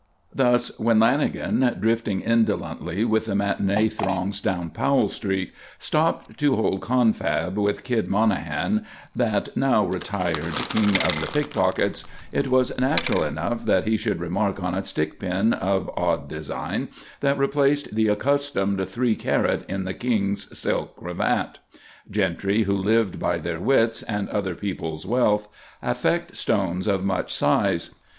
Thus, when Lanagan, drifting indolently with the matinée throngs down Powell street, stopped to hold confab with "Kid" Monahan, that now retired King of the pickpockets, it was natural enough that he should remark on a stick pin of odd design that replaced the accustomed three carat in the "King's" silk cravat. Gentry who lived by their wits and other people's wealth, affect stones of much size.